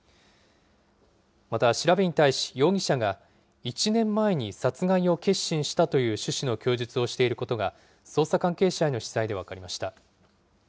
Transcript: また調べに対し容疑者が、１年前に殺害を決心したという趣旨の供述をしていることが、捜査関係者への取材で分かりました。